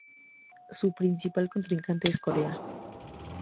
Su principal contrincante es Corea.